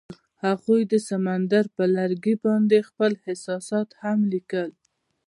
هغوی د سمندر پر لرګي باندې خپل احساسات هم لیکل.